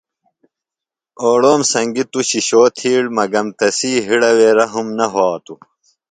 اوڑوم سنگیۡ تُوۡ شِشو تِھیڑ مگم تسی ہڑہ وے رحم نہ وھاتوۡ۔